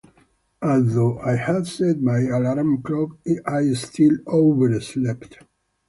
Although I had set my alarm clock, I still overslept.